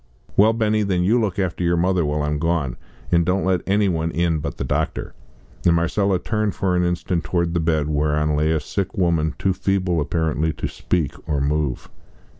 "Well, Benny, then you look after your mother while I'm gone, and don't let any one in but the doctor." And Marcella turned for an instant towards the bed whereon lay a sick woman too feeble apparently to speak or move.